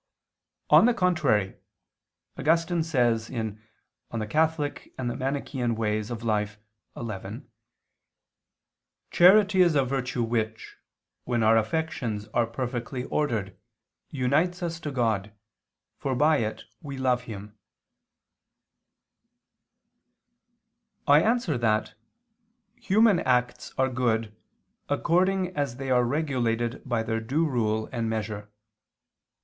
On the contrary, Augustine says (De Moribus Eccl. xi): "Charity is a virtue which, when our affections are perfectly ordered, unites us to God, for by it we love Him." I answer that, Human acts are good according as they are regulated by their due rule and measure.